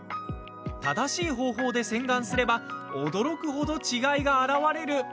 正しい方法で洗顔すれば驚く程、違いが現れる。